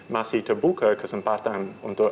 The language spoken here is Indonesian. masih terbuka kesempatan untuk